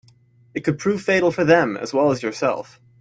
It could prove fatal for them as well as yourself.